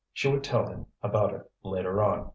She would tell him about it later on.